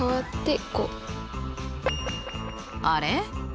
あれ？